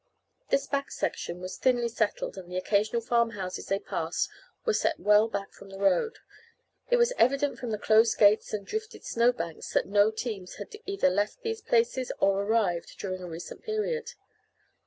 This back section was thinly settled and the occasional farm houses they passed were set well back from the road. It was evident from the closed gates and drifted snowbanks that no teams had either left these places or arrived during a recent period.